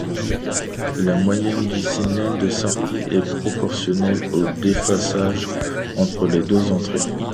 La moyenne du signal de sortie est proportionnelle au déphasage entre les deux entrées.